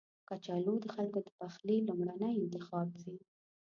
کچالو د خلکو د پخلي لومړنی انتخاب وي